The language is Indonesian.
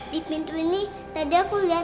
di pintu ini tadi aku lihat